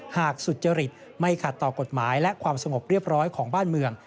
สุจริตไม่ขัดต่อกฎหมายและความสงบเรียบร้อยของบ้านเมือง